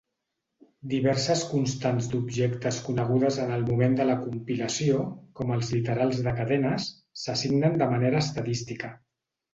Diverses constants d'objectes conegudes en el moment de la compilació, com els literals de cadenes, s'assignen de manera estadística.